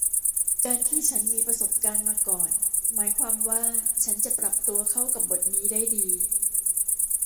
การที่ฉันมีประสบการณ์มาก่อนหมายความว่าฉันจะปรับตัวเข้ากับบทนี้ได้ดี